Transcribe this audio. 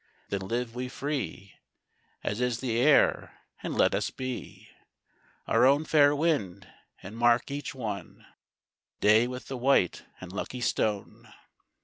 Then live we free As is the air, and let us be Our own fair wind, and mark each one Day with the white and lucky stone.